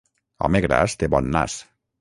Home gras té bon nas.